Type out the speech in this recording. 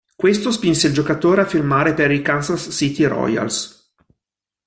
Questo spinse il giocatore a firmare per i Kansas City Royals.